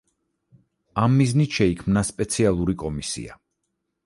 ამ მიზნით შეიქმნა სპეციალური კომისია.